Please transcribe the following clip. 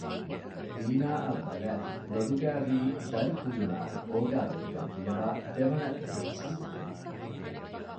ލީނާއަށް ބަލައިލި ލޮލުގައިވީ ދަރިކުލުނާއި އޯގާވެރިކަން ފިޔަވައި ދެވަނަ ދޭއްޗެއް ނޫން